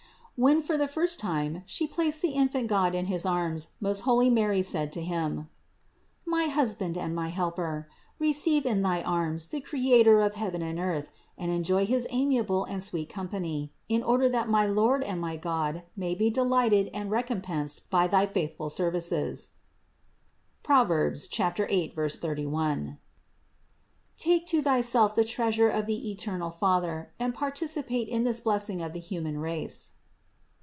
505. When for the first time She placed the infant God in his arms, the most holy Mary said to him : "My husband and my helper, receive in thy arms the Creator of heaven and earth and enjoy his amiable and sweet company, in order that my Lord and my God may be delighted and recompensed by thy faithful services (Prov. 8, 31). Take to thyself the Treasure of the eternal Father and participate in this blessing of the hu THE INCARNATION 425 man race."